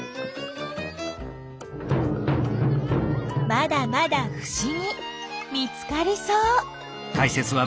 まだまだふしぎ見つかりそう！